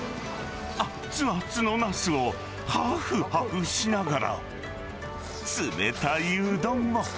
あっつあつのナスを、はふはふしながら、冷たいうどんを。